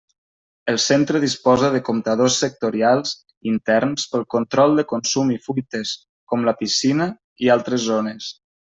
El centre disposa de comptadors sectorials interns pel control de consums i fuites, com la piscina i altres zones.